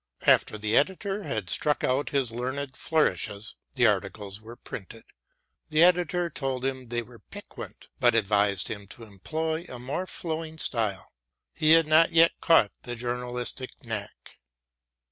After the editor had struck out his learned flourishes, the articles were printed. The editor told him they were piquant, but advised him to employ a more flowing style. He had not yet caught the journalistic knack.